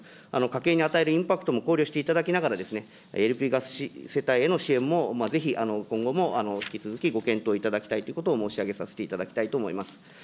家計に与えるインパクトも考慮していただきながら、ＬＰガス世帯への支援も、ぜひ今後も引き続きご検討いただきたいということを申し上げさせていただきたいと思います。